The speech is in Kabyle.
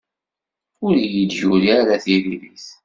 Ur iyi-d-yuri ara tiririt.